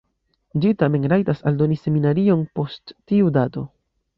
Ĝi tamen rajtas aldoni seminariojn post tiu dato.